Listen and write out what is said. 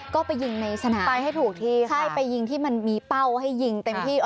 ก็ไปยิงในสนามไปให้ถูกที่ค่ะใช่ไปยิงที่มันมีเป้าให้ยิงเต็มที่